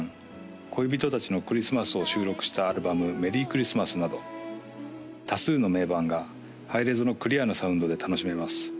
「恋人たちのクリスマス」を収録したアルバム「ＭｅｒｒｙＣｈｒｉｓｔｍａｓ」など多数の名盤がハイレゾのクリアなサウンドで楽しめます